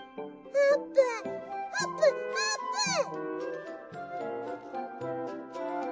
「あーぷんあーぷんあーぷん！